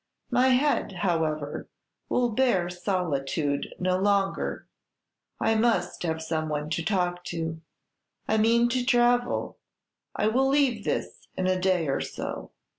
My head, however, will bear solitude no longer; I must have some one to talk to. I mean to travel; I will leave this in a day or so."